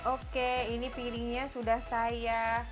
oke ini piringnya sudah saya